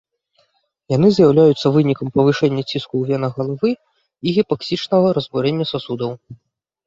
Яны з'яўляюцца вынікам павышэння ціску ў венах галавы і гіпаксічнага разбурэння сасудаў.